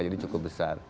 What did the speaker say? jadi cukup besar